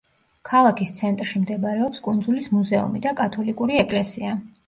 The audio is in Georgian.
ქალაქის ცენტრში მდებარეობს კუნძულის მუზეუმი და კათოლიკური ეკლესია.